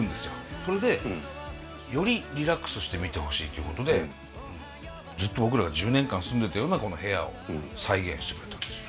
それでよりリラックスして見てほしいっていうことでずっと僕らが１０年間住んでたようなこの部屋を再現してくれたんですよ。